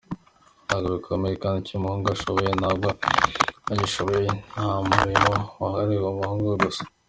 Ntabwo bikomeye, kandi icyo umuhungu ashoboye nawe uragishoboye, nta murimo wahariwe abahungu gusa.